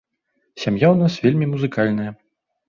Сям'я ў нас вельмі музыкальная.